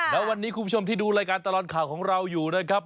แล้ววันนี้คุณผู้ชมที่ดูรายการตลอดข่าวของเราอยู่นะครับ